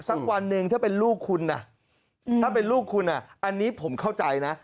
สักวันหนึ่งถ้าเป็นลูกคุณถ้าเป็นลูกคุณอันนี้ผมเข้าใจนะ